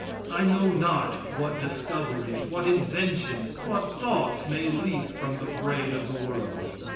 I know not what discoveries, what inventions, what thoughts may leap from the brain of the world.